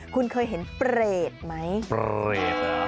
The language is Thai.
คุณเคยเห็นเปรตไหมเปรตน่ะ